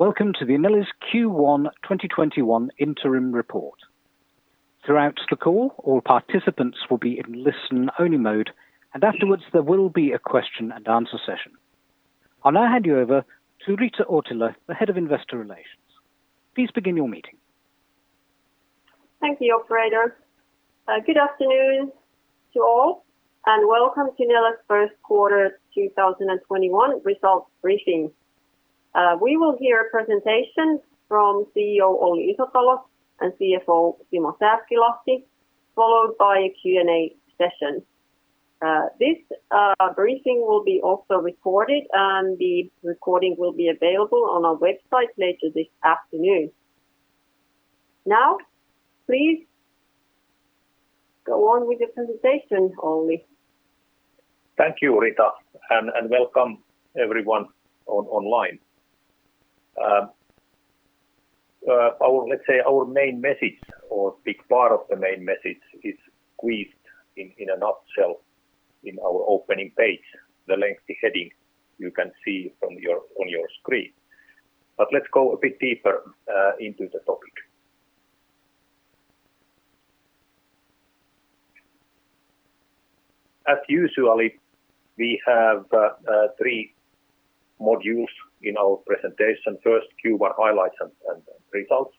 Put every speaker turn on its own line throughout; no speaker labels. Welcome to the Neles Q1 2021 Interim Report. Throughout the call, all participants will be in listen-only mode, and afterwards, there will be a question-and-answer session. I'll now hand you over to Rita Uotila, the Head of Investor Relations. Please begin your meeting.
Thank you, operator. Good afternoon to all, and welcome to Neles' First Quarter 2021 Results Briefing. We will hear a presentation from CEO, Olli Isotalo, and CFO, Simo Sääskilahti, followed by a Q&A session. This briefing will be also recorded, and the recording will be available on our website later this afternoon. Now, please go on with the presentation, Olli.
Thank you, Rita, and welcome everyone online. Our main message or big part of the main message is squeezed in a nutshell in our opening page, the lengthy heading you can see on your screen. Let's go a bit deeper into the topic. As usually, we have three modules in our presentation. First, Q1 highlights and results.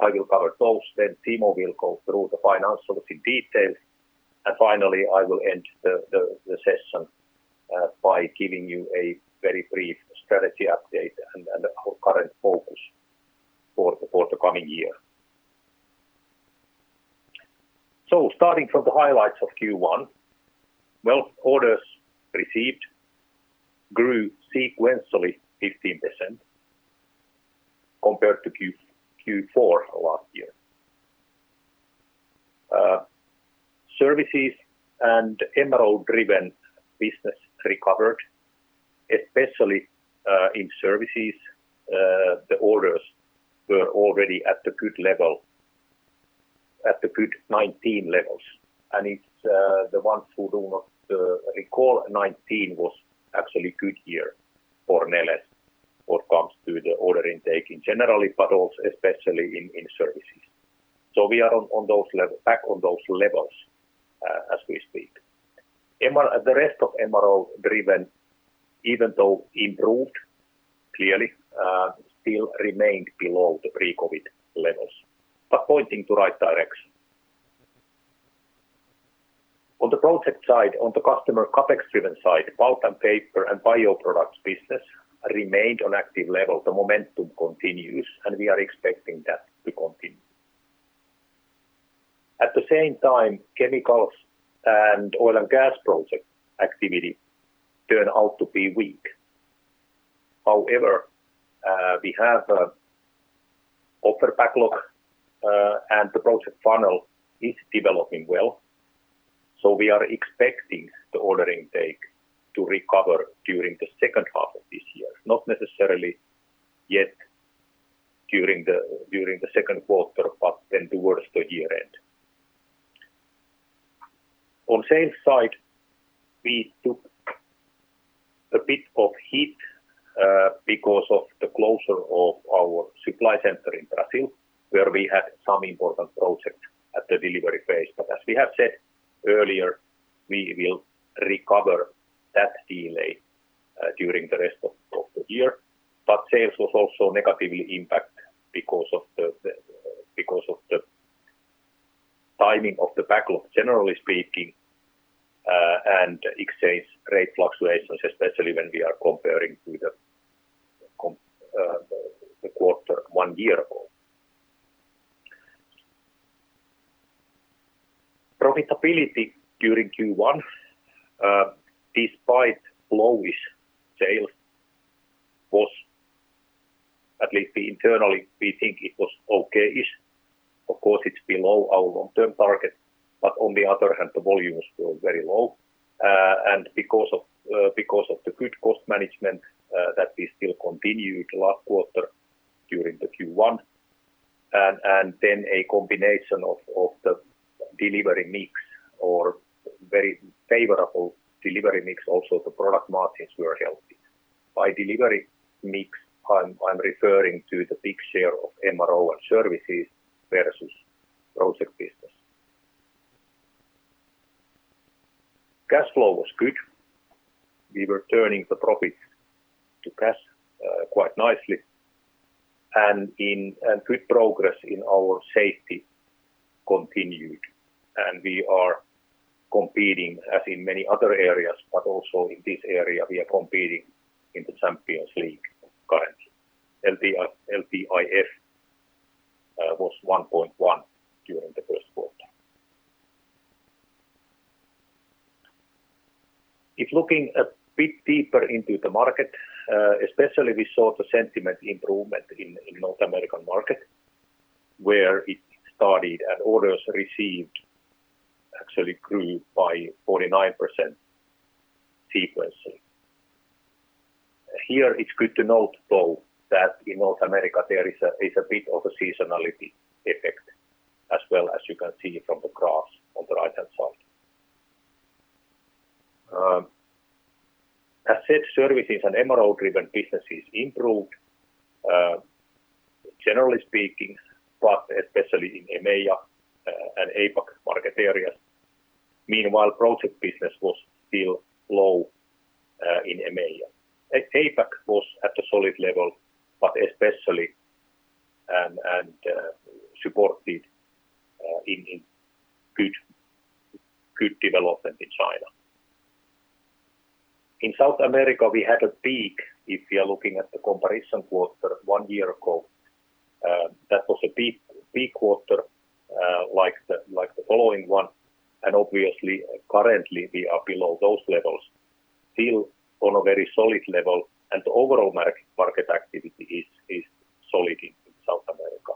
I will cover those. Then Simo will go through the financials in detail. Finally, I will end the session by giving you a very brief strategy update and our current focus for the coming year. Starting from the highlights of Q1, well, orders received grew sequentially 15% compared to Q4 of last year. Services and MRO-driven business recovered, especially in services, the orders were already at the good 2019 levels. It's the ones who do not recall 2019 was actually a good year for Neles when it comes to the order intake in general, but also especially in services. The rest of MRO-driven, even though improved clearly, still remained below the pre-COVID levels, but pointing to the right direction. On the project side, on the customer CapEx-driven side, pulp and paper and bioproducts business remained on active levels. The momentum continues, and we are expecting that to continue. At the same time, chemicals and oil and gas project activity turned out to be weak. However, we have an offer backlog, and the project funnel is developing well, so we are expecting the order intake to recover during the second half of this year. Not necessarily yet during the second quarter, but then towards the year-end. On the sales side, we took a bit of hit because of the closure of our supply center in Brazil, where we had some important projects at the delivery phase. As we have said earlier, we will recover that delay during the rest of the year. Sales was also negatively impacted because of the timing of the backlog, generally speaking, and exchange rate fluctuations, especially when we are comparing to the quarter one year ago. Profitability during Q1, despite low-ish sales, was at least internally, we think it was okay-ish. Of course, it's below our long-term target, but on the other hand, the volumes were very low. Because of the good cost management that we still continued last quarter during the Q1, a combination of the delivery mix or very favorable delivery mix, also the product margins were healthy. By delivery mix, I'm referring to the big share of MRO and services versus project business. Cash flow was good. We were turning the profit to cash quite nicely, and good progress in our safety continued. We are competing as in many other areas, but also in this area, we are competing in the Champions League currently. LTIF was 1.1 during the first quarter. If looking a bit deeper into the market, especially we saw the sentiment improvement in North American market, where it started and orders received actually grew by 49% sequentially. Here it's good to note, though, that in North America, there is a bit of a seasonality effect as well, as you can see from the graphs on the right-hand side. Asset services and MRO-driven businesses improved, generally speaking, but especially in EMEA and APAC market areas. Meanwhile, project business was still low in EMEA. APAC was at a solid level, but especially and supported in good development in China. In South America, we had a peak if we are looking at the comparison quarter one year ago. That was a peak quarter like the following one, and obviously, currently, we are below those levels, still on a very solid level, and the overall market activity is solid in South America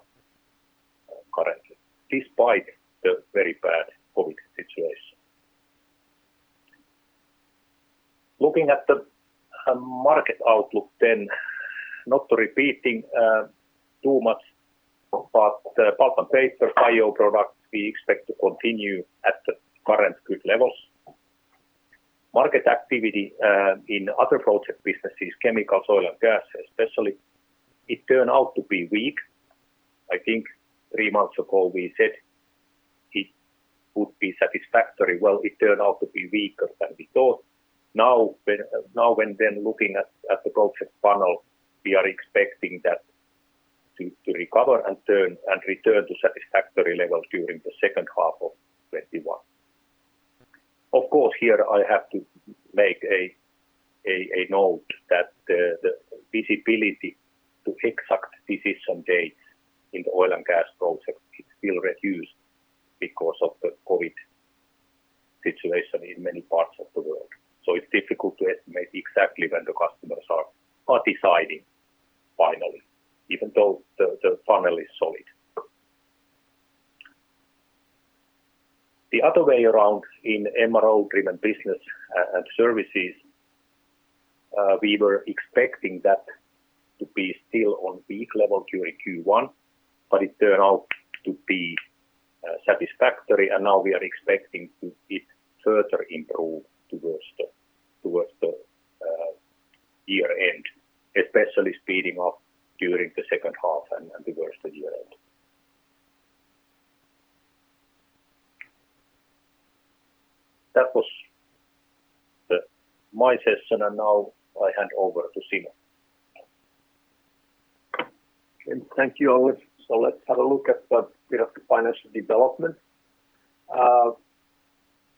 currently, despite the very bad COVID situation. Looking at the market outlook then, not repeating too much, but pulp and paper bio-products we expect to continue at the current good levels. Market activity in other project businesses, chemical, oil, and gas especially, it turned out to be weak. I think three months ago we said it would be satisfactory. Well, it turned out to be weaker than we thought. Now when looking at the project funnel, we are expecting that to recover and return to satisfactory levels during the second half of 2021. Of course, here I have to make a note that the visibility to exact decision dates in the oil and gas project is still reduced because of the COVID situation in many parts of the world. It's difficult to estimate exactly when the customers are deciding finally, even though the funnel is solid. The other way around in MRO-driven business and services, we were expecting that to be still on peak level during Q1, but it turned out to be satisfactory, and now we are expecting to it further improve towards the year-end, especially speeding up during the second half and towards the year-end. That was my session. Now I hand over to Simo.
Thank you, Olli. Let's have a look at the bit of the financial development.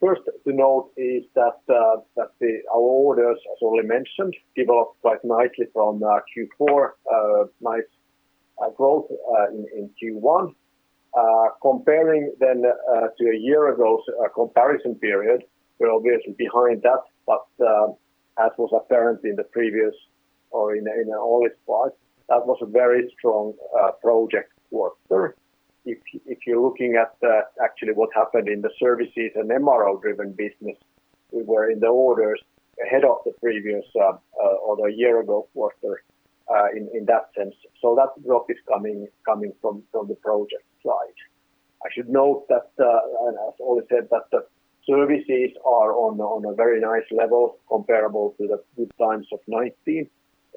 First to note is that our orders, as Olli mentioned, developed quite nicely from Q4. Nice growth in Q1. Comparing to a year ago's comparison period, we're obviously behind that, but as was apparent in the previous or in Olli's slide, that was a very strong project quarter. If you're looking at actually what happened in the services and MRO-driven business, we were in the orders ahead of the previous or the year-ago quarter in that sense. That drop is coming from the project side. I should note that, and as Olli said, that the services are on a very nice level comparable to the good times of 2019.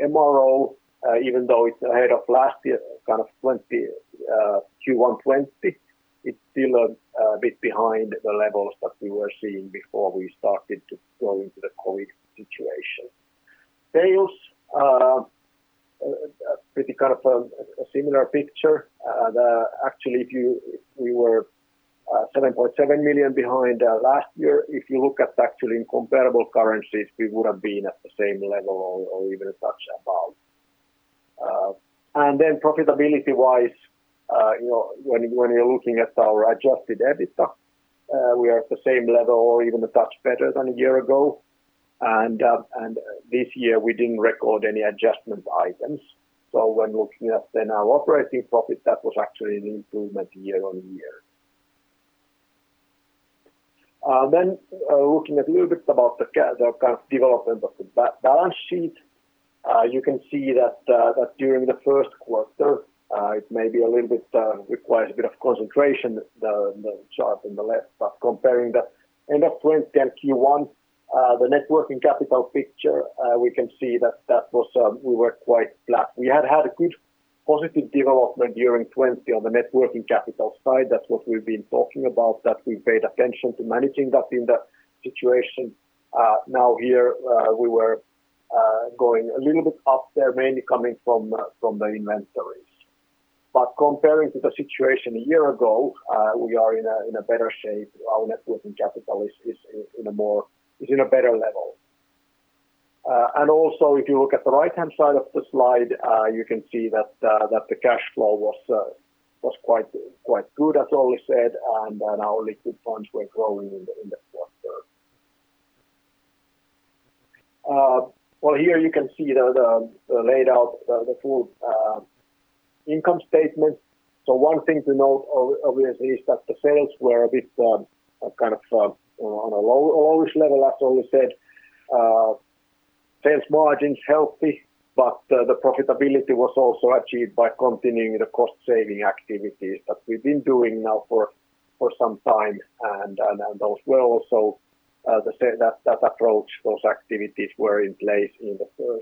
MRO, even though it's ahead of last year kind of Q1 2020, it's still a bit behind the levels that we were seeing before we started to go into the COVID situation. Sales, pretty kind of a similar picture. We were 7.7 million behind last year. If you look at actually in comparable currencies, we would've been at the same level or even a touch above. Profitability-wise, when you're looking at our adjusted EBITDA, we are at the same level or even a touch better than a year ago. This year we didn't record any adjustment items. When looking at our operating profit, that was actually an improvement year-on-year. Looking a little bit about the kind of development of the balance sheet. You can see that during the first quarter, it maybe requires a bit of concentration, the chart on the left, comparing the end of 2020 and Q1, the net working capital picture, we can see that we were quite flat. We had had a good positive development during 2020 on the net working capital side. That's what we've been talking about, that we paid attention to managing that in that situation. Now here, we were going a little bit up there, mainly coming from the inventories. Comparing to the situation a year ago, we are in a better shape. Our net working capital is in a better level. Also if you look at the right-hand side of the slide, you can see that the cash flow was quite good, as Olli said, and that our liquid funds were growing in the quarter. Here you can see the laid out the full income statement. One thing to note obviously is that the sales were a bit kind of on a low-ish level, as Olli said. Sales margin's healthy, but the profitability was also achieved by continuing the cost-saving activities that we've been doing now for some time. Those were also, that approach, those activities were in place in the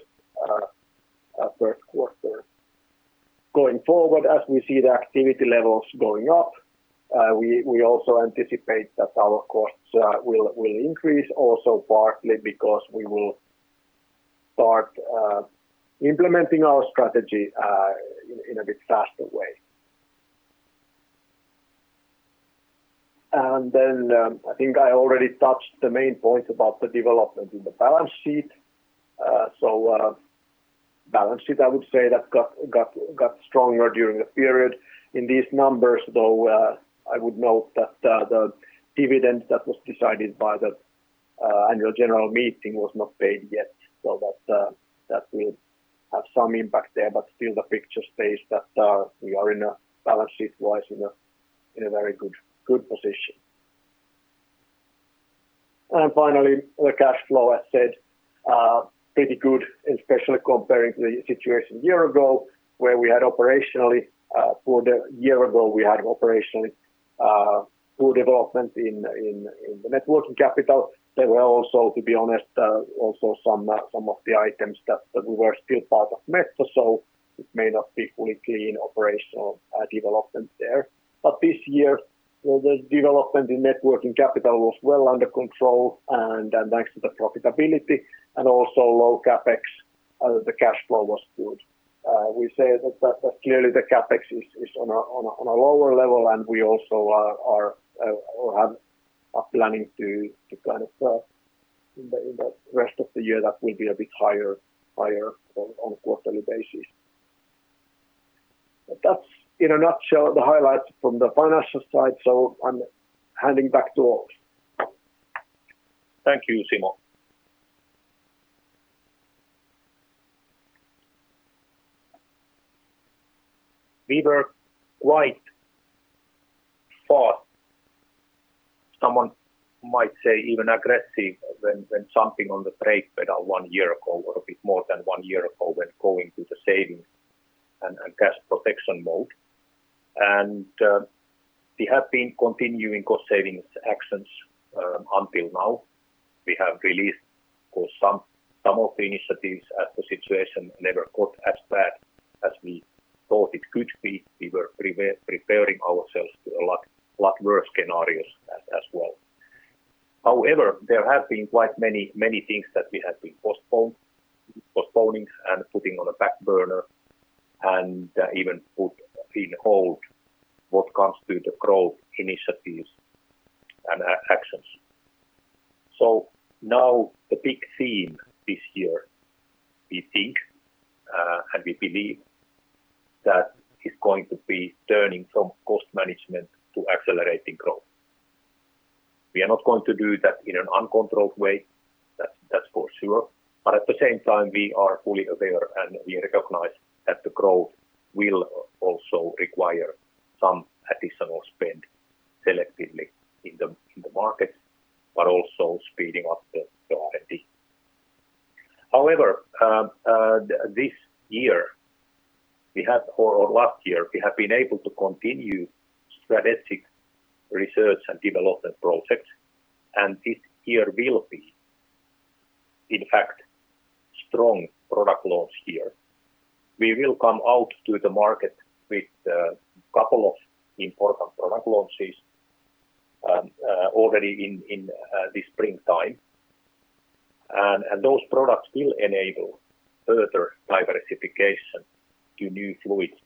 first quarter. Going forward, as we see the activity levels going up, we also anticipate that our costs will increase also partly because we will start implementing our strategy in a bit faster way. Then, I think I already touched the main points about the development in the balance sheet. Balance sheet, I would say that got stronger during the period. In these numbers, though, I would note that the dividend that was decided by the annual general meeting was not paid yet. That will have some impact there. Still, the picture stays that we are, balance sheet-wise, in a very good position. Finally, the cash flow, I said pretty good, especially comparing to the situation a year ago, where a year ago, we had operationally poor development in the net working capital. There were also, to be honest, also some of the items that we were still part of Metso. It may not be fully clean operational development there. This year, the development in net working capital was well under control, and thanks to the profitability and also low CapEx, the cash flow was good. We say that clearly the CapEx is on a lower level, and we also are planning to kind of in the rest of the year, that will be a bit higher on a quarterly basis. That's in a nutshell the highlights from the financial side, so I'm handing back to Olli.
Thank you, Simo. We were quite fast, someone might say even aggressive when jumping on the brake pedal one year ago, or a bit more than one year ago, when going to the savings and cash protection mode. We have been continuing cost savings actions until now. We have released some of the initiatives as the situation never got as bad as we thought it could be. We were preparing ourselves to a lot worse scenarios as well. However, there have been quite many things that we have been postponing and putting on the back burner and even put in hold what comes to the growth initiatives and actions. Now the big theme this year, we think, and we believe that it's going to be turning from cost management to accelerating growth. We are not going to do that in an uncontrolled way. That's for sure. At the same time, we are fully aware, and we recognize that the growth will also require some additional spend selectively in the market, but also speeding up the R&D. This year, or last year, we have been able to continue strategic research and development projects, and this year will be, in fact, strong product launch year. We will come out to the market with a couple of important product launches already in the springtime. Those products will enable further diversification to new fluids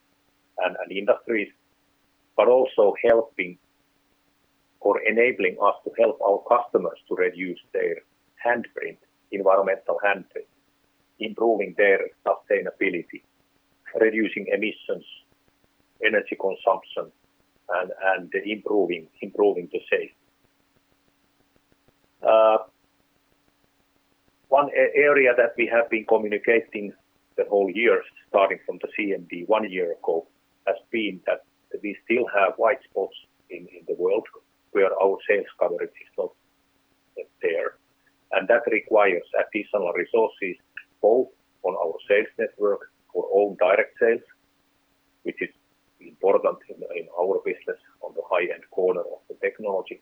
and industries, but also helping or enabling us to help our customers to reduce their environmental handprint, improving their sustainability, reducing emissions, energy consumption, and improving the safety. One area that we have been communicating the whole year, starting from the CMD one year ago, has been that we still have white spots in the world where our sales coverage is not there. That requires additional resources both on our sales network for all direct sales, which is important in our business on the high-end corner of the technology,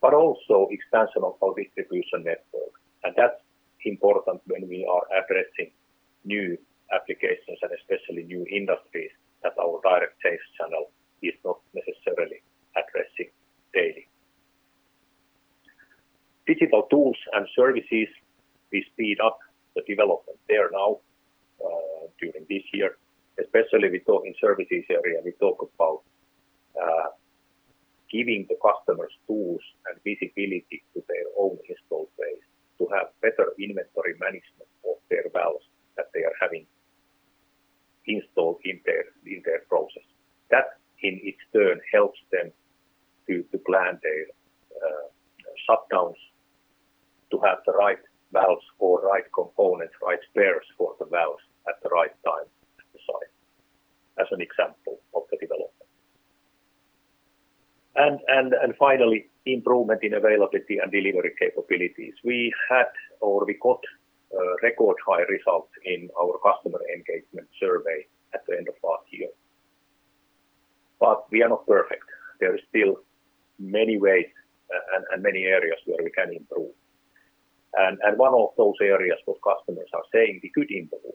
but also expansion of our distribution network. That's important when we are addressing new applications and especially new industries that our direct sales channel is not necessarily addressing daily. Digital tools and services, we speed up the development there now, during this year. Especially in services area, we talk about giving the customers tools and visibility to their own installed base to have better inventory management of their valves that they are having installed in their process. That in its turn helps them to plan their shutdowns to have the right valves or right components, right spares for the valves. Finally, improvement in availability and delivery capabilities. We got record high results in our customer engagement survey at the end of last year. We are not perfect. There is still many ways and many areas where we can improve. One of those areas where customers are saying we could improve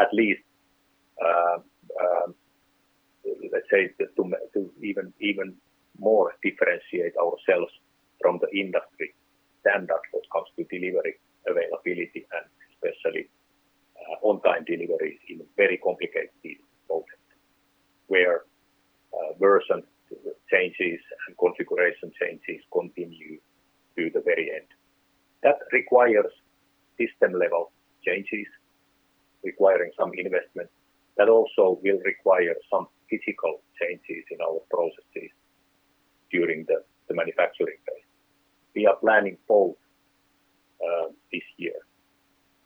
at least, let's say, to even more differentiate ourselves from the industry standard when it comes to delivery, availability, and especially on-time delivery in very complicated projects where version changes and configuration changes continue to the very end. That requires system-level changes, requiring some investment. That also will require some physical changes in our processes during the manufacturing phase. We are planning both this year.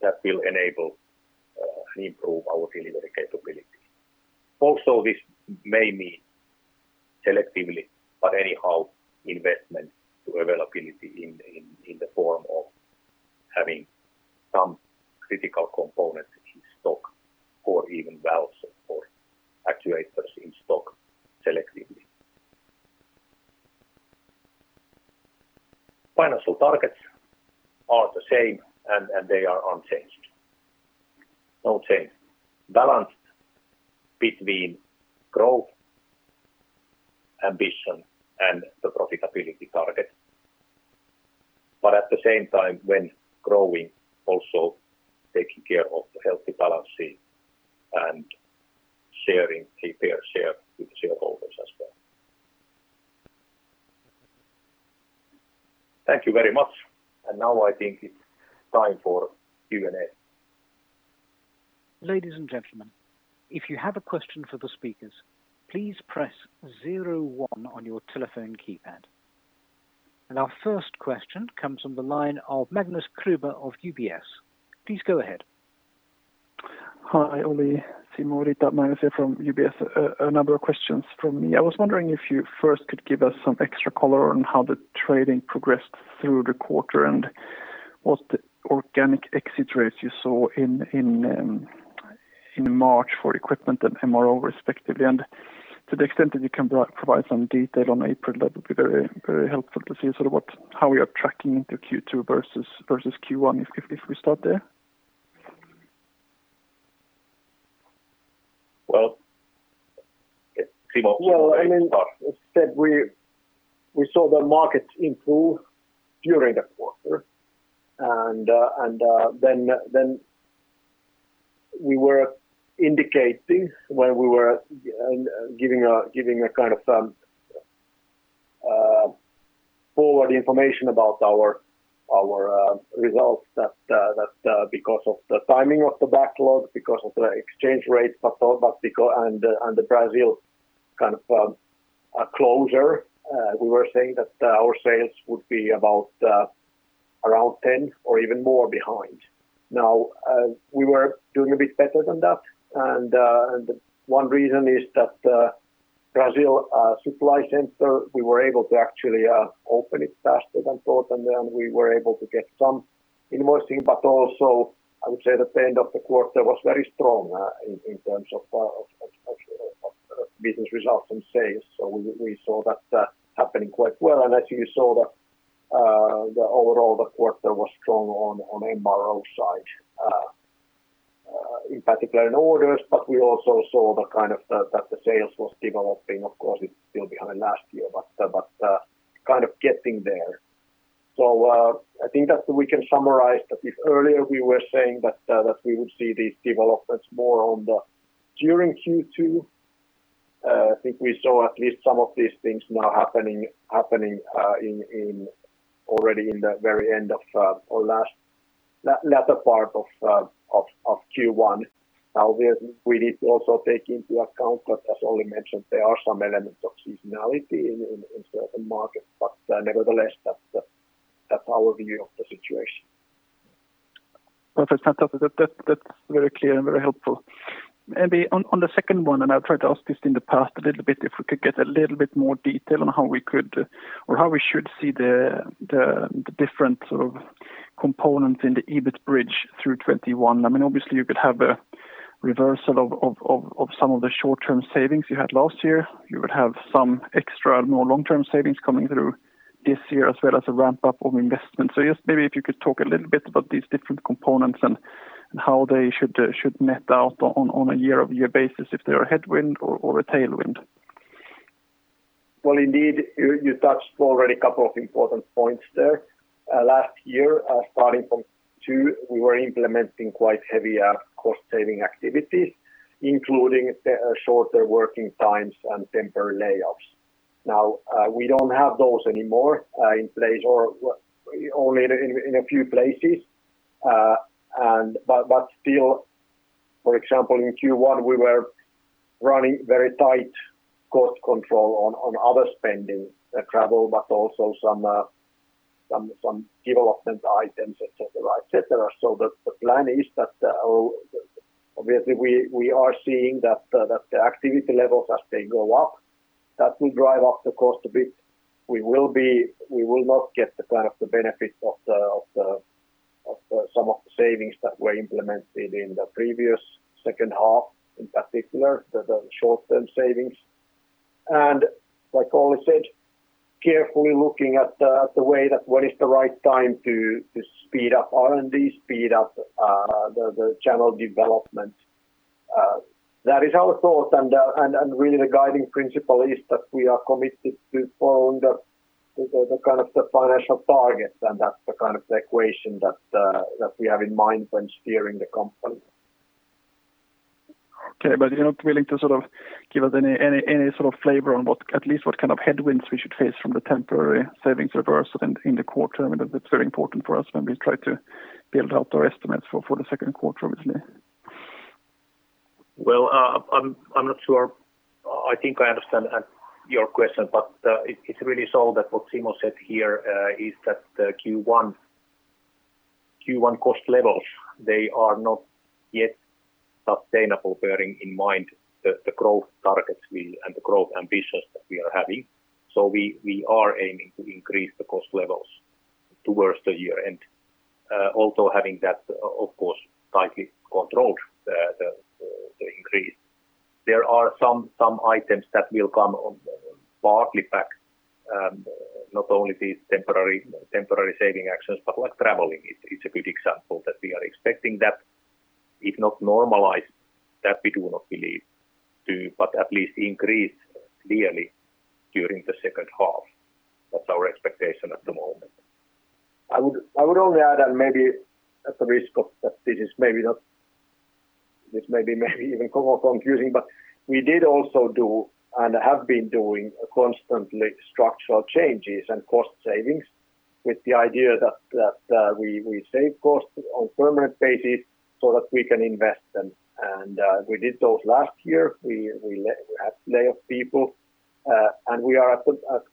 That will enable and improve our delivery capabilities. This may mean selectively, but anyhow, investment to availability in the form of having some critical components in stock or even valves or actuators in stock selectively. Financial targets are the same, and they are unchanged. No change. Balance between growth, ambition, and the profitability target. At the same time, when growing, also taking care of the healthy balance sheet and sharing a fair share with the shareholders as well. Thank you very much. Now I think it's time for Q&A.
Ladies and gentlemen, if you have a question for the speakers, please press zero one on your telephone keypad. Our first question comes from the line of Magnus Kruber of UBS. Please go ahead.
Hi, Olli, Simo, Rita. Magnus here from UBS. A number of questions from me. I was wondering if you first could give us some extra color on how the trading progressed through the quarter and what organic exit rates you saw in March for equipment and MRO respectively? To the extent that you can provide some detail on April, that would be very helpful to see sort of how we are tracking the Q2 versus Q1 if we start there.
Well, Simo, do you want to start?
We saw the markets improve during the quarter. We were indicating when we were giving a kind of forward information about our results that because of the timing of the backlog, because of the exchange rates, but also because and the Brazil kind of closure, we were saying that our sales would be about around 10 or even more behind. We were doing a bit better than that. One reason is that Brazil supply center, we were able to actually open it faster than thought, and then we were able to get some invoicing, but also I would say that the end of the quarter was very strong in terms of business results and sales. We saw that happening quite well. As you saw, overall the quarter was strong on MRO side, in particular in orders, but we also saw that the sales was developing. Of course, it is still behind last year, but kind of getting there. I think that we can summarize that if earlier we were saying that we would see these developments more during Q2, I think we saw at least some of these things now happening already in the latter part of Q1. We need to also take into account that as Olli mentioned, there are some elements of seasonality in certain markets, but nevertheless, that is our view of the situation.
Perfect. That's very clear and very helpful. Maybe on the second one, I've tried to ask this in the past a little bit, if we could get a little bit more detail on how we should see the different sort of components in the EBIT bridge through 2021. Obviously, you could have a reversal of some of the short-term savings you had last year. You would have some extra, more long-term savings coming through this year, as well as a ramp-up of investment. Just maybe if you could talk a little bit about these different components and how they should net out on a year-over-year basis if they're a headwind or a tailwind.
Well, indeed, you touched already a couple of important points there. Last year starting from two, we were implementing quite heavy cost-saving activities, including shorter working times and temporary layoffs. We don't have those anymore in place or only in a few places. Still, for example, in Q1, we were running very tight cost control on other spending, travel, but also some development items, et cetera. The plan is that obviously we are seeing that the activity levels as they go up, that will drive up the cost a bit. We will not get the benefit of some of the savings that were implemented in the previous second half, in particular, the short-term savings. Like Olli said, carefully looking at the way that what is the right time to speed up R&D, speed up the channel development. That is our thought, and really the guiding principle is that we are committed to following the financial targets, and that's the kind of equation that we have in mind when steering the company.
Okay. You're not willing to give us any sort of flavor on at least what kind of headwinds we should face from the temporary savings reversal in the quarter? I mean, that's very important for us when we try to build out our estimates for the second quarter, obviously.
Well, I'm not sure. I think I understand your question, but it's really so that what Simo said here is that the Q1 cost levels, they are not yet sustainable bearing in mind the growth targets and the growth ambitions that we are having. We are aiming to increase the cost levels towards the year. Also having that, of course, tightly controlled the increase. There are some items that will come partly back. Not only these temporary saving actions, but like traveling. It's a good example that we are expecting that if not normalized, that we do not believe to, but at least increase clearly during the second half. That's our expectation at the moment.
I would only add, maybe at the risk of that this may be even more confusing, we did also do, and have been doing constantly structural changes and cost savings with the idea that we save costs on permanent basis so that we can invest them. We did those last year. We had lay off people. We are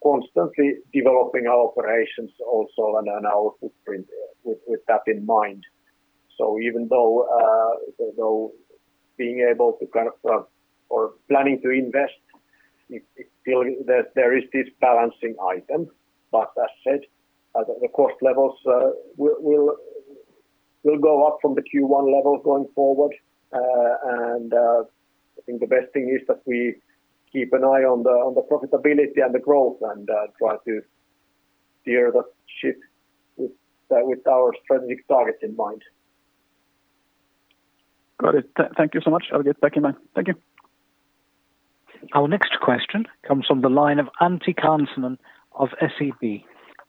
constantly developing our operations also and our footprint with that in mind. Even though being able to kind of plan or planning to invest, still there is this balancing item. As said, the cost levels will go up from the Q1 levels going forward. I think the best thing is that we keep an eye on the profitability and the growth and try to steer the ship with our strategic targets in mind.
Got it. Thank you so much. I'll get back in line. Thank you.
Our next question comes from the line of Antti Kansanen of SEB.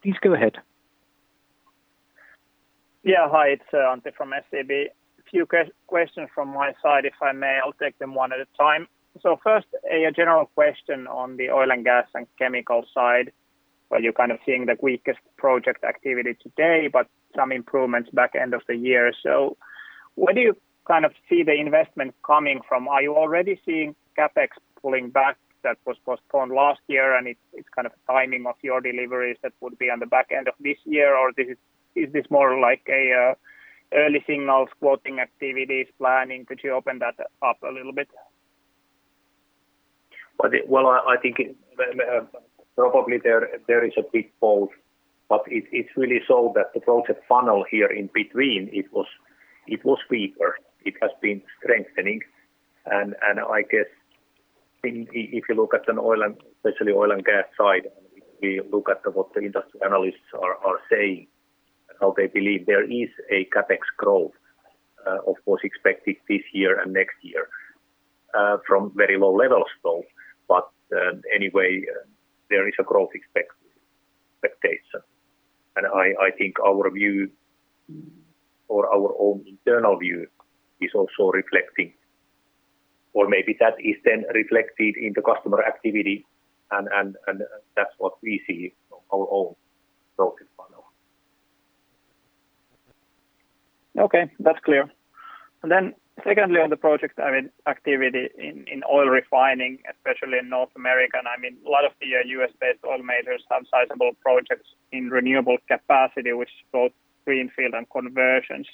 Please go ahead.
Hi, it's Antti from SEB. A few questions from my side, if I may. I'll take them one at a time. First, a general question on the oil and gas and chemical side, where you're kind of seeing the weakest project activity today, but some improvements back end of the year. Where do you see the investment coming from? Are you already seeing CapEx pulling back that was postponed last year, and it's kind of timing of your deliveries that would be on the back end of this year? Or is this more like early signals, quoting activities, planning? Could you open that up a little bit?
Well, I think probably there is a big both. It's really so that the project funnel here in between, it was weaker. It has been strengthening. I guess if you look at an oil and especially oil and gas side, and we look at what the industry analysts are saying, how they believe there is a CapEx growth, of course, expected this year and next year. From very low levels though, but anyway, there is a growth expectation. I think our view or our own internal view is also reflecting, or maybe that is then reflected in the customer activity, and that's what we see from our own focus funnel.
Okay. That's clear. Then secondly, on the projects, I mean, activity in oil refining, especially in North America. I mean, a lot of the U.S.-based oil majors have sizable projects in renewable capacity, which is both greenfield and conversion.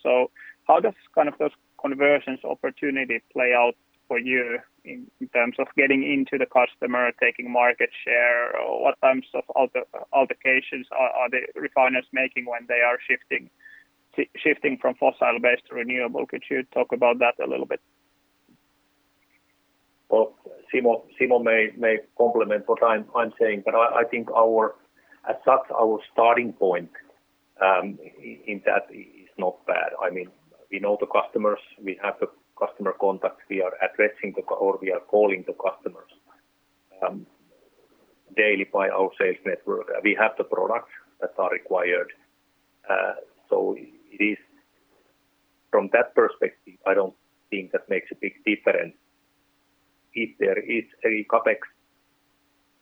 How does those conversions opportunity play out for you in terms of getting into the customer, taking market share, or what types of alterations are the refiners making when they are shifting from fossil-based to renewable? Could you talk about that a little bit?
Well, Simo may complement what I'm saying. I think our starting point in that is not bad. We know the customers, we have the customer contacts, we are calling the customers daily by our sales network. We have the products that are required. From that perspective, I don't think that makes a big difference. If there is a CapEx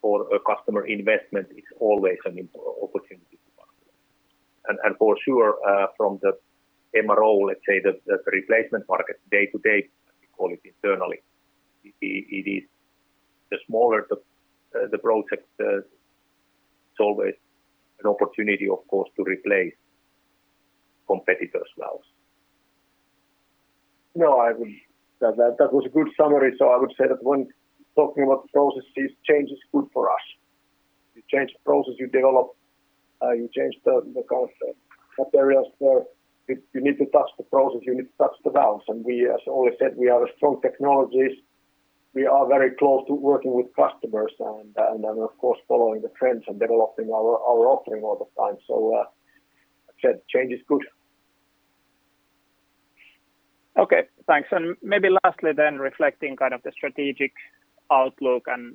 for a customer investment, it's always an opportunity to us. For sure, from the MRO, let's say the replacement market day to day, as we call it internally, it is. The smaller the project, it's always an opportunity, of course, to replace competitors' valves.
That was a good summary. I would say that when talking about the processes, change is good for us. You change the process you develop, you change the areas where you need to touch the process, you need to touch the valves. As always said, we have strong technologies. We are very close to working with customers and then, of course, following the trends and developing our offering all the time. Change is good.
Okay, thanks. Maybe lastly reflecting the strategic outlook and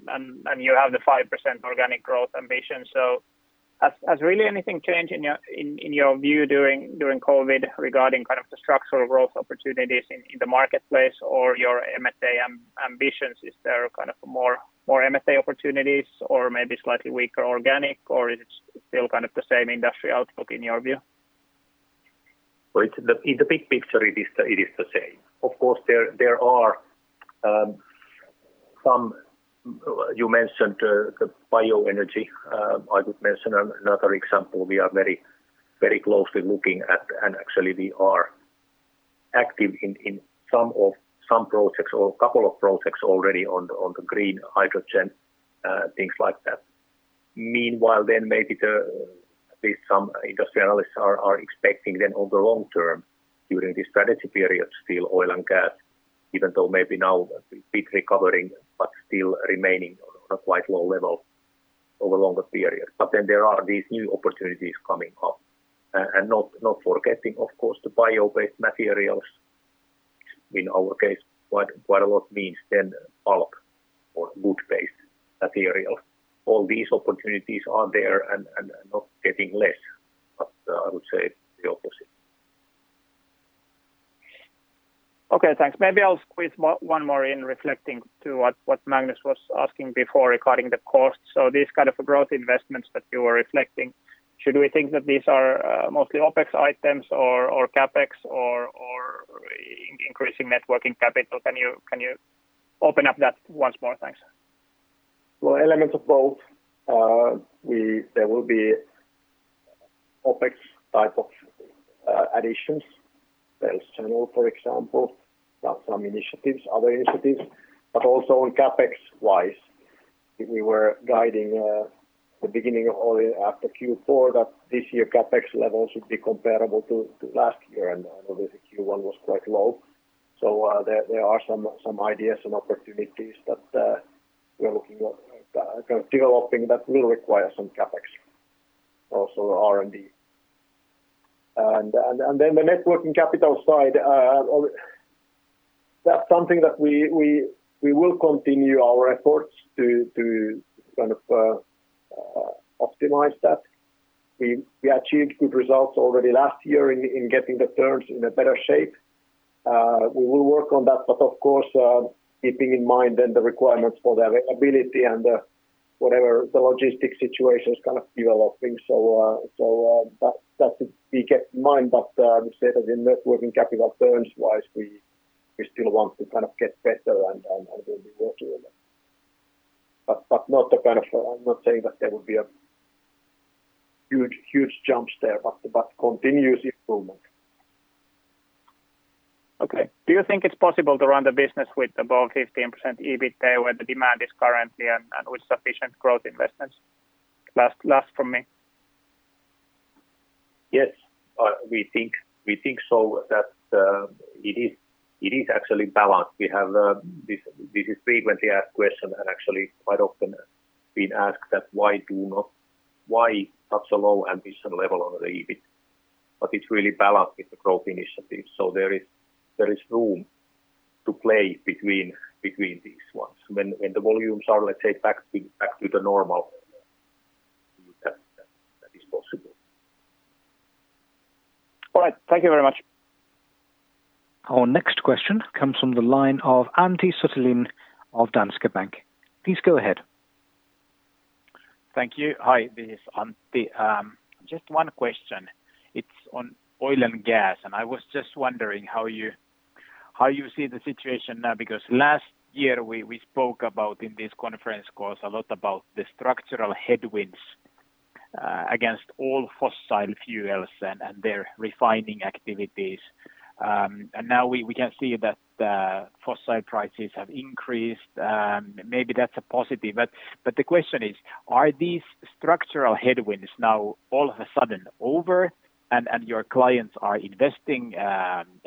you have the 5% organic growth ambition. Has really anything changed in your view during COVID regarding the structural growth opportunities in the marketplace or your M&A ambitions? Is there more M&A opportunities or maybe slightly weaker organic, or is it still the same industry outlook in your view?
Well, in the big picture, it is the same. Of course, you mentioned the bioenergy. I would mention another example. We are very closely looking at, and actually we are active in some projects or a couple of projects already on the green hydrogen, things like that. Meanwhile, maybe at least some industrialists are expecting over the long term, during this strategy period, still oil and gas, even though maybe now a bit recovering, but still remaining on a quite low level over longer period. There are these new opportunities coming up. Not forgetting, of course, the bio-based materials. In our case, quite a lot means then bulk or wood-based materials. All these opportunities are there and not getting less, but I would say the opposite.
Okay, thanks. Maybe I'll squeeze one more in reflecting to what Magnus was asking before regarding the cost. These kind of growth investments that you were reflecting, should we think that these are mostly OpEx items or CapEx or increasing net working capital? Can you open up that once more? Thanks.
Elements of both. There will be OpEx type of additions, sales channel, for example, some initiatives, other initiatives, also on CapEx wise, we were guiding the beginning of the after Q4 that this year CapEx levels should be comparable to last year, and obviously Q1 was quite low. There are some ideas, some opportunities that we are looking at kind of developing that will require some CapEx, also R&D. The net working capital side that's something that we will continue our efforts to kind of optimize that. We achieved good results already last year in getting the terms in a better shape. We will work on that, of course, keeping in mind then the requirements for the availability and whatever the logistics situation is kind of developing. That we keep in mind, but I would say that in net working capital terms wise, we still want to kind of get better and we'll be working on that. I'm not saying that there will be a huge jumps there but continuous improvement.
Okay. Do you think it's possible to run the business with above 15% EBITA where the demand is currently and with sufficient growth investments? Last from me.
Yes. We think so that it is actually balanced. This is frequently asked question and actually quite often been asked that why such a low ambition level on the EBIT. It's really balanced with the growth initiatives. There is room to play between these ones. When the volumes are, let's say back to the normal, that is possible.
All right. Thank you very much.
Our next question comes from the line of Antti Suttelin of Danske Bank. Please go ahead.
Thank you. Hi, this is Antti. Just one question. It's on oil and gas. I was just wondering how you see the situation now, because last year we spoke about in this conference calls a lot about the structural headwinds against all fossil fuels and their refining activities. Now we can see that fossil prices have increased. Maybe that's a positive. The question is, are these structural headwinds now all of a sudden over and your clients are investing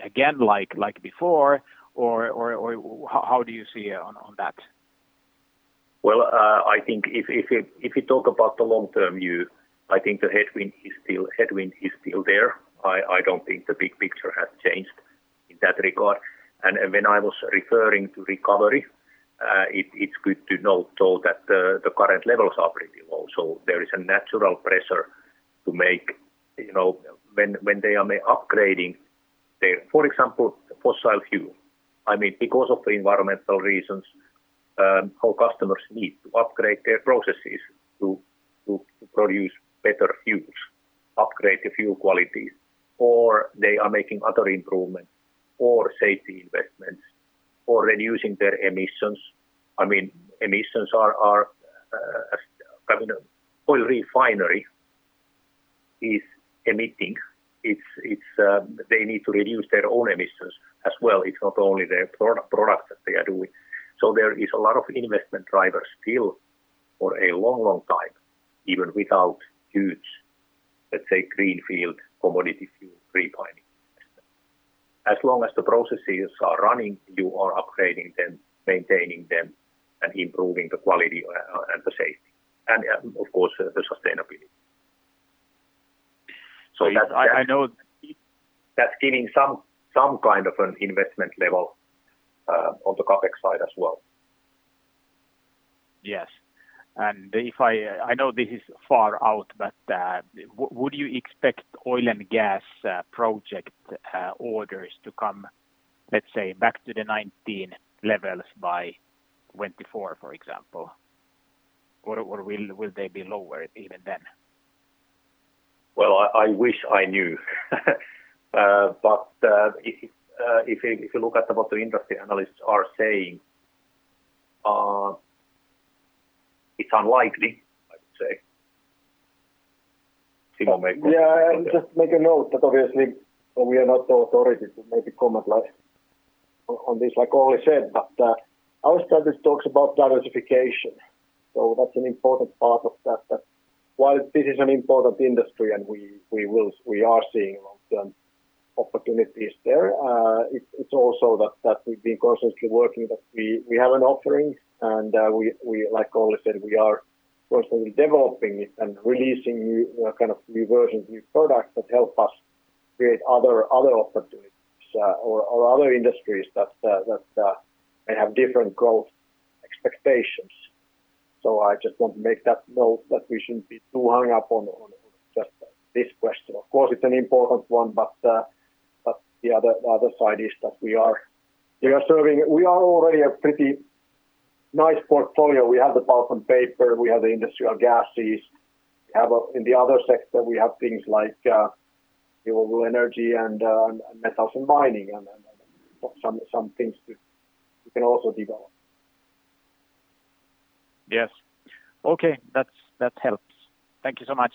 again like before or how do you see on that?
Well, I think if you talk about the long-term view, I think the headwind is still there. I don't think the big picture has changed in that regard. When I was referring to recovery, it's good to note though that the current levels are pretty low. There is a natural pressure to make when they are upgrading their, for example, fossil fuel. I mean, because of the environmental reasons our customers need to upgrade their processes to produce better fuels. Upgrade the fuel quality, or they are making other improvements, or safety investments, or reducing their emissions. Emissions are coming from an oil refinery is emitting. They need to reduce their own emissions as well. It's not only their product that they are doing. There is a lot of investment drivers still for a long, long time, even without huge, let's say, green field commodity fuel refining. As long as the processes are running, you are upgrading them, maintaining them, and improving the quality and the safety and, of course, the sustainability. That's giving some kind of an investment level on the CapEx side as well.
Yes. I know this is far out, but would you expect oil and gas project orders to come, let's say, back to the 2019 levels by 2024, for example? Will they be lower even then?
Well, I wish I knew. If you look at what the industry analysts are saying, it's unlikely, I would say.
Yeah. Just make a note that obviously we are not authorized to maybe comment on this, like Olli said, but our strategy talks about diversification. That's an important part of that. That while this is an important industry and we are seeing long-term opportunities there, it's also that we've been consciously working that we have an offering and we, like Olli said, we are constantly developing it and releasing new versions, new products that help us create other opportunities or other industries that may have different growth expectations. I just want to make that note that we shouldn't be too hung up on just this question. Of course, it's an important one. The other side is that we are already a pretty nice portfolio. We have the pulp and paper, we have the industrial gases. In the other sector, we have things like renewable energy and metals and mining and some things we can also develop.
Yes. Okay. That helps. Thank you so much.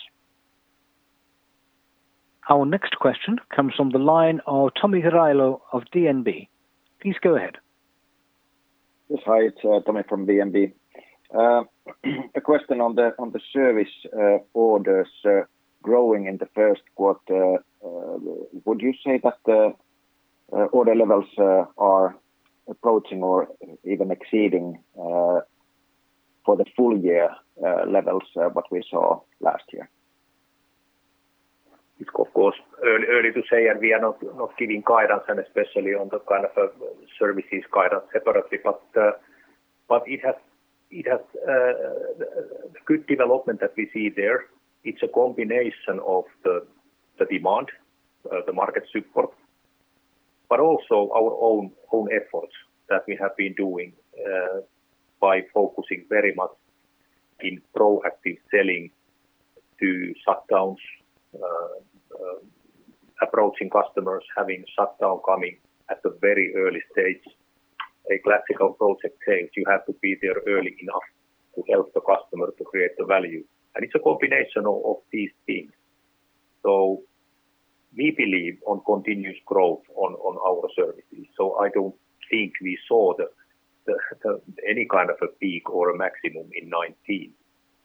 Our next question comes from the line of Tomi Railo of DNB. Please go ahead.
Yes. Hi, it's Tomi from DNB. A question on the service orders growing in the first quarter. Would you say that the order levels are approaching or even exceeding for the full year levels what we saw last year?
It's, of course, early to say, and we are not giving guidance, and especially on the kind of services guidance separately. The good development that we see there, it's a combination of the demand, the market support, but also our own efforts that we have been doing by focusing very much in proactive selling to shutdowns, approaching customers, having shutdown coming at a very early stage. A classical project says you have to be there early enough to help the customer to create the value, and it's a combination of these things. We believe on continuous growth on our services. I don't think we saw any kind of a peak or a maximum in 2019.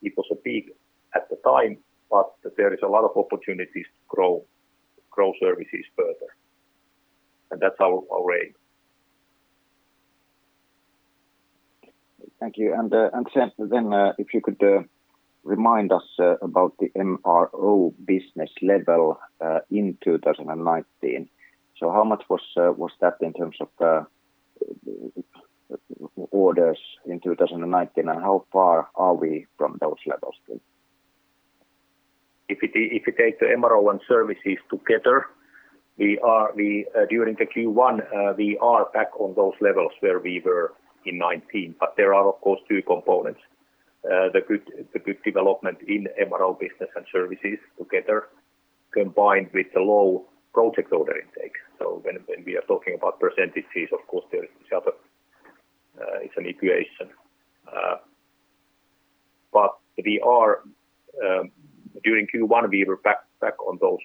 It was a peak at the time, but there is a lot of opportunities to grow services further, and that's our aim.
Thank you. If you could remind us about the MRO business level in 2019. How much was that in terms of orders in 2019, and how far are we from those levels then?
You take the MRO and services together, during the Q1 we are back on those levels where we were in 2019. There are, of course, two components. The good development in MRO business and services together combined with the low project order intake. When we are talking about percentages, of course, it's an equation. During Q1, we were back on those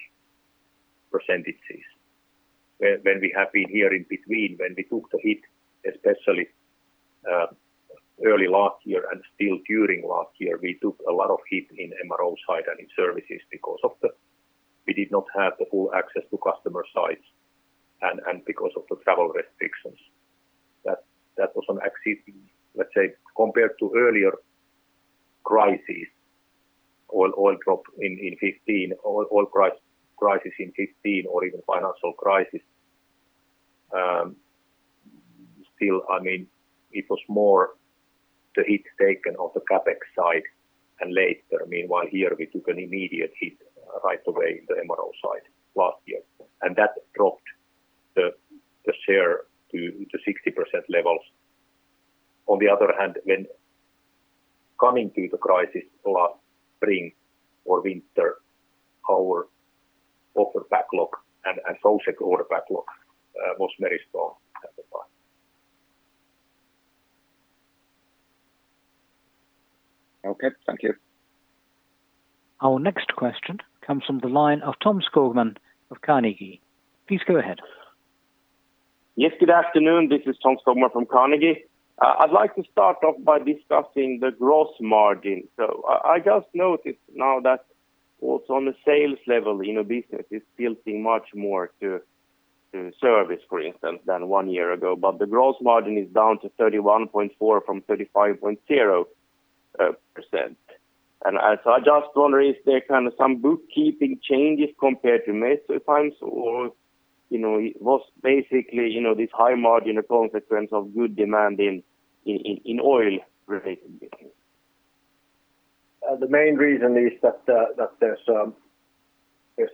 percentages when we have been here in between, when we took the hit, especially early last year and still during last year, we took a lot of hit in MRO side and in services because we did not have the full access to customer sites and because of the travel restrictions. That was on, let's say, compared to earlier crises, oil drop in 2015, oil crisis in 2015 or even financial crisis. Still, it was more the hit taken on the CapEx side and later, meanwhile, here we took an immediate hit right away in the MRO side last year, and that dropped the share to 60% levels. On the other hand, when coming to the crisis last spring or winter, our order backlog and associated order backlog was very strong at the time.
Okay. Thank you.
Our next question comes from the line of Tom Skogman of Carnegie. Please go ahead.
Yes, good afternoon. This is Tom Skogman from Carnegie. I'd like to start off by discussing the gross margin. I just noticed now that also on the sales level, business is tilting much more to service, for instance, than one year ago. The gross margin is down to 31.4 from 35.0%. I just wonder, is there some bookkeeping changes compared to Metso times or was basically this high margin a consequence of good demand in oil-related business?
The main reason is that there's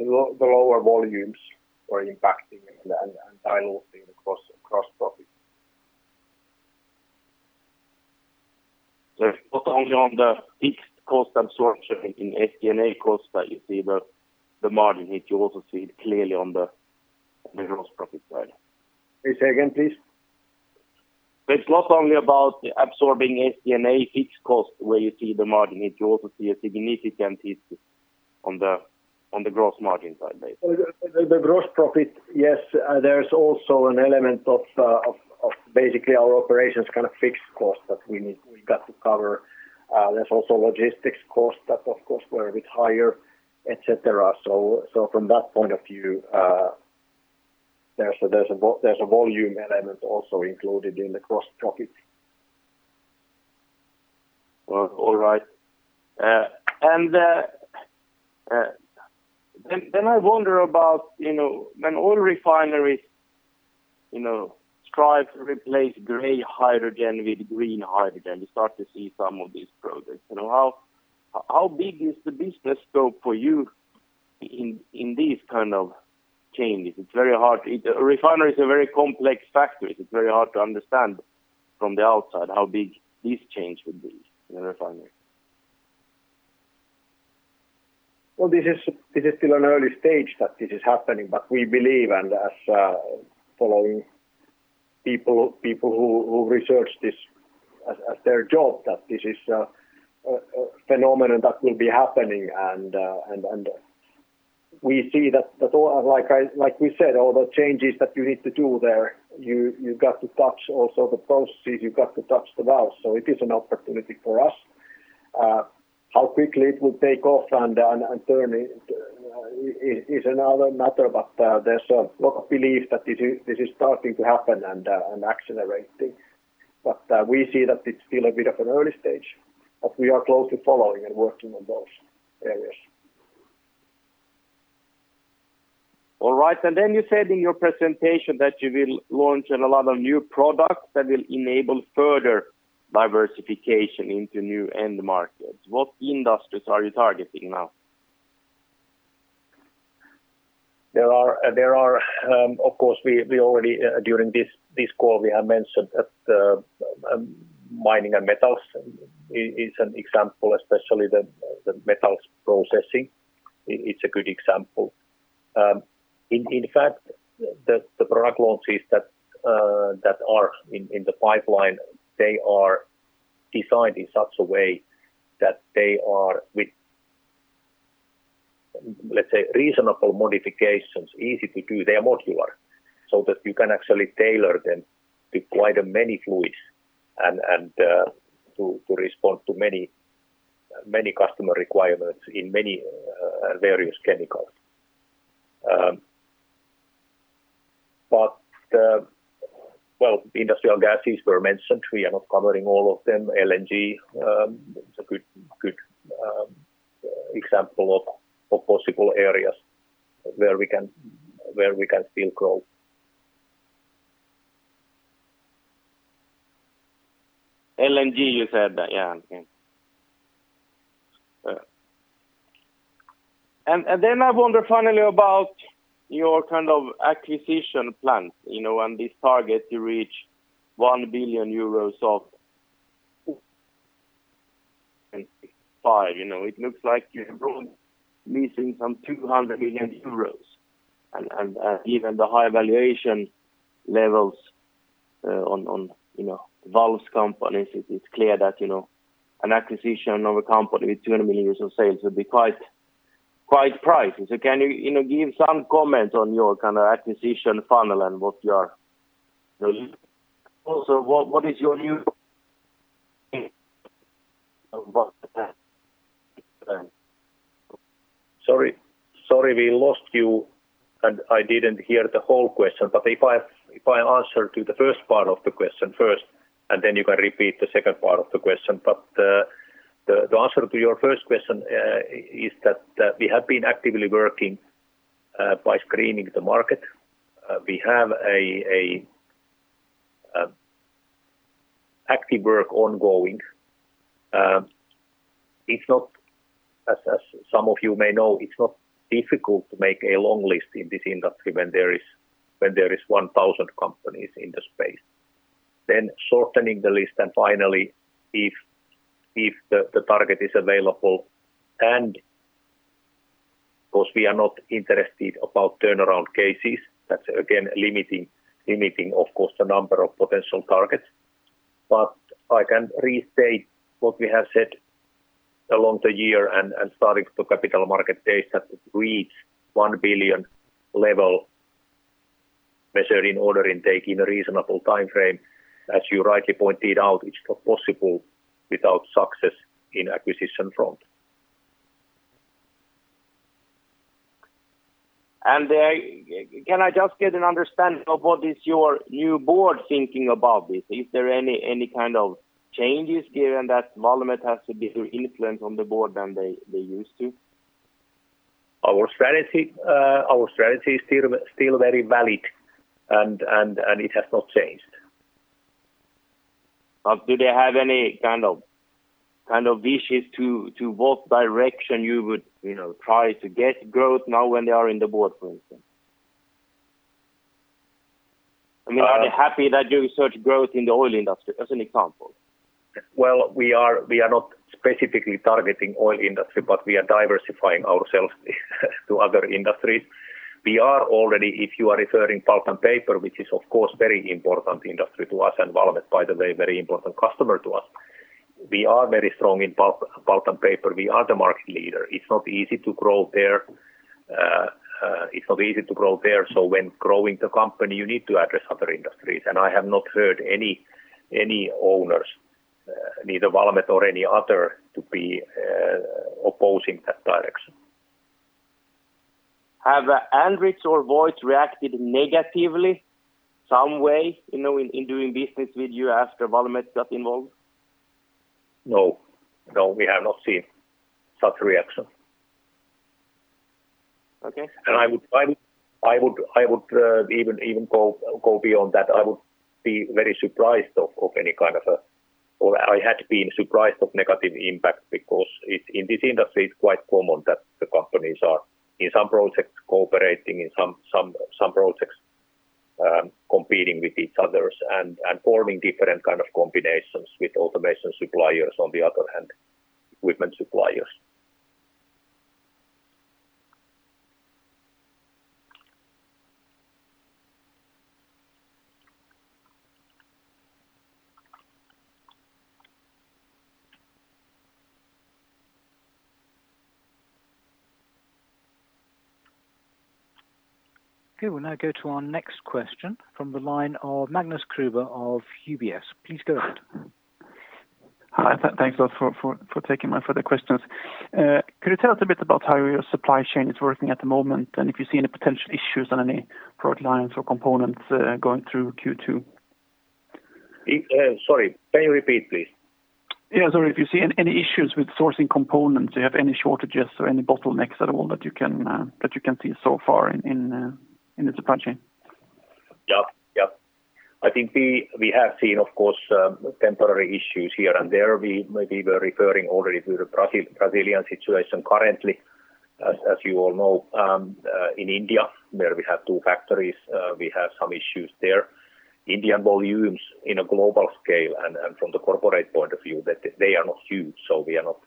lower volumes are impacting and diluting the cost of gross profit.
It's not only on the fixed cost absorption in SG&A costs that you see the margin hit, you also see it clearly on the gross profit side?
The gross profit, yes. There's also an element of basically our operations fixed cost that we got to cover. There's also logistics costs that, of course, were a bit higher, et cetera. From that point of view, there's a volume element also included in the gross profit.
All right. I wonder about when oil refineries strive to replace gray hydrogen with green hydrogen, we start to see some of these projects. How big is the business scope for you in these kind of changes? A refinery is a very complex factory. It's very hard to understand from the outside how big this change would be in a refinery.
This is still an early stage that this is happening, but we believe, and as following people who research this as their job, that this is a phenomenon that will be happening. We see that, like we said, all the changes that you need to do there, you've got to touch also the processes, you've got to touch the valves. It is an opportunity for us. How quickly it will take off and turn is another matter, but there's a lot of belief that this is starting to happen and accelerating. We see that it's still a bit of an early stage, but we are closely following and working on those areas.
All right, you said in your presentation that you will launch a lot of new products that will enable further diversification into new end markets. What industries are you targeting now?
Of course, we already, during this call, we have mentioned that mining and metals is an example, especially the metals processing. It's a good example. In fact, the product launches that are in the pipeline, they are designed in such a way that they are with, let's say, reasonable modifications, easy to do. They are modular so that you can actually tailor them to quite many fluids and to respond to many customer requirements in many various chemicals. Well, industrial gases were mentioned. We are not covering all of them. LNG, it's a good example of possible areas where we can still grow.
LNG, you said? Yeah, okay. I wonder finally about your acquisition plans, and this target to reach 1 billion euros of sales. It looks like you're missing some 200 million euros, and even the high valuation levels on valves companies, it's clear that an acquisition of a company with 200 million euros of sales would be quite pricey. Can you give some comments on your acquisition funnel? What is your view?
Sorry, we lost you, and I didn't hear the whole question. If I answer to the first part of the question first, and then you can repeat the second part of the question. The answer to your first question is that we have been actively working by screening the market. We have active work ongoing. It's not, as some of you may know, it's not difficult to make a long list in this industry when there is 1,000 companies in the space. Shortening the list, and finally, if the target is available, and because we are not interested about turnaround cases, that's again limiting, of course, the number of potential targets. I can restate what we have said along the year and starting to capital market day that reach 1 billion level measured in order intake in a reasonable timeframe. As you rightly pointed out, it's not possible without success in acquisition front.
Can I just get an understanding of what is your new board thinking about this? Is there any kind of changes given that Valmet has a bigger influence on the board than they used to?
Our strategy is still very valid and it has not changed.
Do they have any kind of wishes to what direction you would try to get growth now when they are in the board, for instance? I mean, are they happy that you search growth in the oil industry, as an example?
We are not specifically targeting oil industry, but we are diversifying ourselves to other industries. We are already, if you are referring pulp and paper, which is of course very important industry to us and Valmet, by the way, very important customer to us. We are very strong in pulp and paper. We are the market leader. It's not easy to grow there. When growing the company, you need to address other industries. I have not heard any owners, neither Valmet or any other, to be opposing that direction.
Have Andritz or Voith reacted negatively some way in doing business with you after Valmet got involved?
No. We have not seen such reaction.
Okay.
I would even go beyond that. I had been surprised of negative impact because in this industry, it's quite common that the companies are, in some projects cooperating, in some projects competing with each others and forming different kind of combinations with automation suppliers, on the other hand, equipment suppliers.
Okay, we'll now go to our next question from the line of Magnus Kruber of UBS. Please go ahead.
Hi. Thanks a lot for taking my further questions. Could you tell us a bit about how your supply chain is working at the moment, and if you see any potential issues on any product lines or components going through Q2?
I think we have seen, of course, temporary issues here and there. We maybe were referring already to the Brazilian situation currently. You all know, in India, where we have two factories, we have some issues there. Indian volumes in a global scale and from the corporate point of view, they are not huge so we are not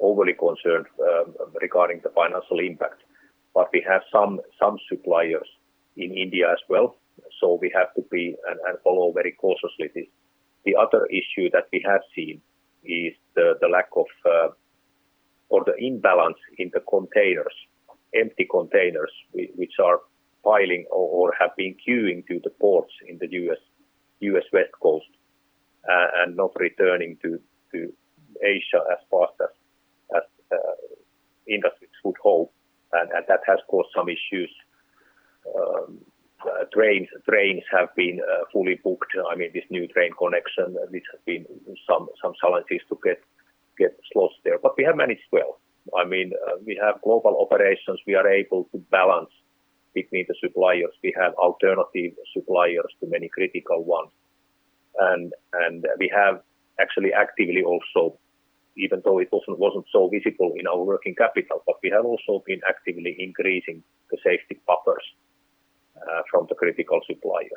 overly concerned regarding the financial impact. We have some suppliers in India as well, so we have to be and follow very cautiously. The other issue that we have seen is the lack of, or the imbalance in the containers, empty containers which are piling or have been queuing to the ports in the U.S. West Coast, and not returning to Asia as fast as industries would hope. That has caused some issues. Trains have been fully booked. I mean, this new train connection, this has been some challenges to get slots there. We have managed well. We have global operations. We are able to balance between the suppliers. We have alternative suppliers to many critical ones. We have actually actively also, even though it wasn't so visible in our working capital, but we have also been actively increasing the safety buffers from the critical suppliers.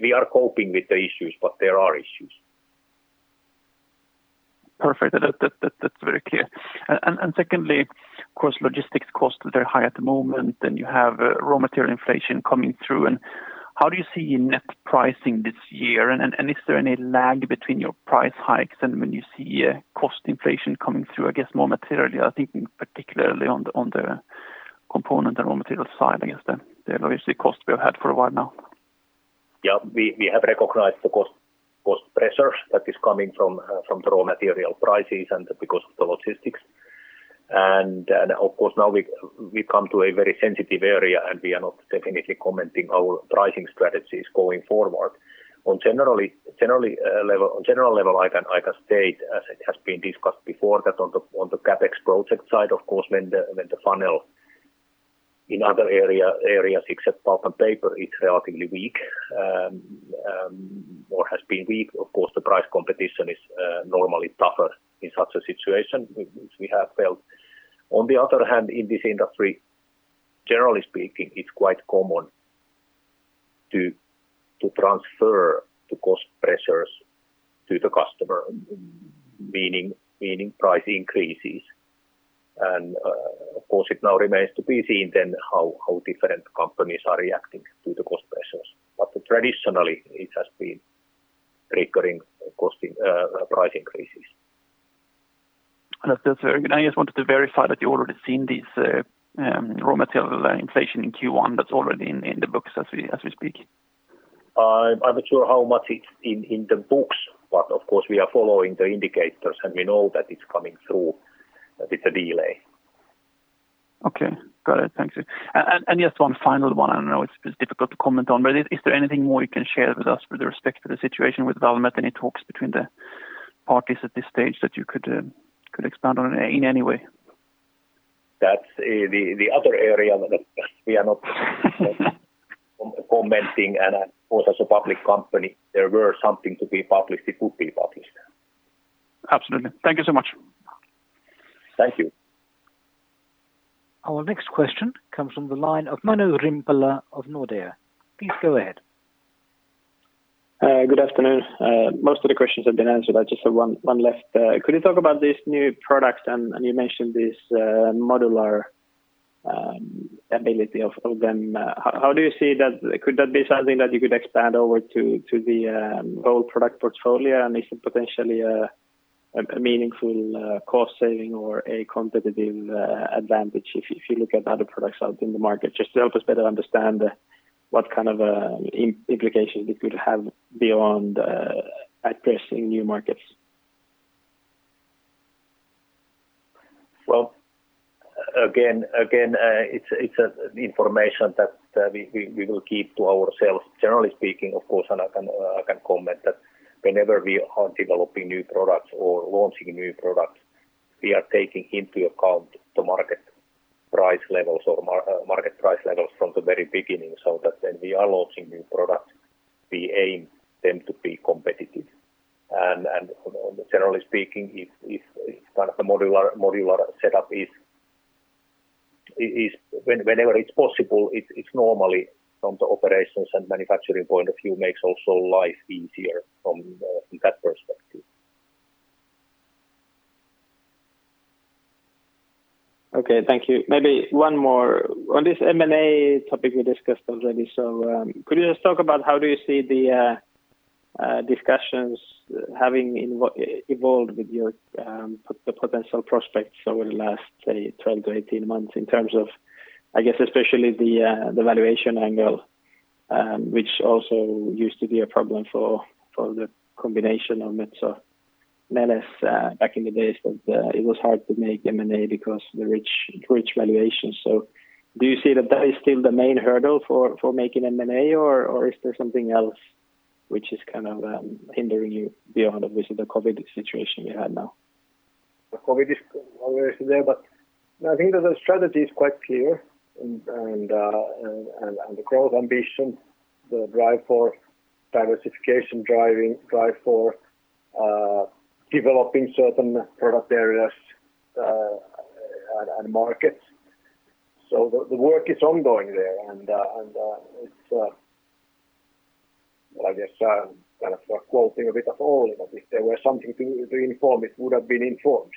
We are coping with the issues, but there are issues.
Perfect. That's very clear. Secondly, of course, logistics costs are very high at the moment, then you have raw material inflation coming through. How do you see net pricing this year? Is there any lag between your price hikes and when you see cost inflation coming through, I guess, more materially, I think particularly on the component and raw material side, I guess the logistic cost we've had for a while now?
We have recognized the cost pressures that is coming from the raw material prices and because of the logistics. Of course now we come to a very sensitive area, and we are not definitely commenting our pricing strategies going forward. On general level, I can state, as it has been discussed before, that on the CapEx project side, of course, when the funnel in other areas except pulp and paper, it's relatively weak or has been weak. Of course, the price competition is normally tougher in such a situation, which we have felt. On the other hand, in this industry, generally speaking, it's quite common to transfer the cost pressures to the customer, meaning price increases. Of course, it now remains to be seen then how different companies are reacting to the cost pressures. Traditionally, it has been recurring price increases.
That's very good. I just wanted to verify that you've already seen this raw material inflation in Q1 that's already in the books as we speak.
I'm not sure how much it's in the books, but of course, we are following the indicators, and we know that it's coming through, that it's a delay.
Okay, got it. Thank you. Just one final one. I know it's difficult to comment on, but is there anything more you can share with us with respect to the situation with Valmet? Any talks between the parties at this stage that you could expand on in any way?
That's the other area that we are not commenting. Of course, as a public company, if there were something to be published, it would be published.
Absolutely. Thank you so much.
Thank you.
Our next question comes from the line of Manu Rimpelä of Nordea. Please go ahead.
Good afternoon. Most of the questions have been answered. I just have one left. Could you talk about these new products, and you mentioned this modular ability of them. Could that be something that you could expand over to the whole product portfolio? Is it potentially a meaningful cost saving or a competitive advantage if you look at other products out in the market? Just to help us better understand what kind of implications it could have beyond addressing new markets.
Well, again, it's information that we will keep to ourselves. Generally speaking, of course, I can comment that whenever we are developing new products or launching new products, we are taking into account the market price levels from the very beginning so that when we are launching new products, we aim them to be competitive. Generally speaking, whenever it's possible, it's normally from the operations and manufacturing point of view makes also life easier from that perspective.
Okay, thank you. Maybe one more. On this M&A topic we discussed already, could you just talk about how do you see the discussions having evolved with the potential prospects over the last, say, 12 to 18 months in terms of, I guess especially the valuation angle, which also used to be a problem for the combination of Metso Neles back in the days that it was hard to make M&A because of the rich valuation. Do you see that that is still the main hurdle for making M&A, or is there something else which is kind of hindering you beyond obviously the COVID situation you have now?
The COVID is always there, but I think that the strategy is quite clear and the growth ambition, the drive for diversification, drive for developing certain product areas and markets. The work is ongoing there, and I guess kind of quoting a bit of Olli, but if there were something to inform, it would have been informed.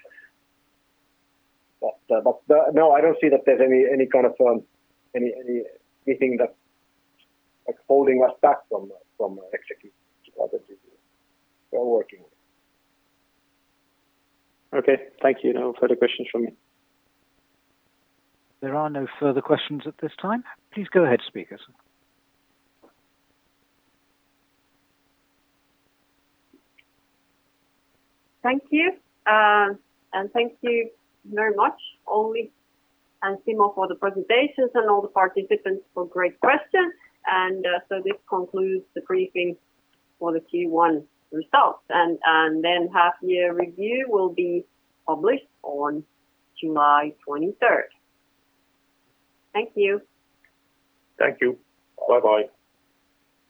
No, I don't see that there's anything that's holding us back from execution. Obviously, we are working on it.
Okay, thank you. No further questions from me.
There are no further questions at this time. Please go ahead, speakers.
Thank you very much, Olli and Simo for the presentations and all the participants for great questions. This concludes the briefing for the Q1 results. Half year review will be published on July 23rd. Thank you.
Thank you. Bye-bye.